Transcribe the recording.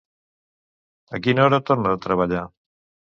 A quina hora torna de treballar?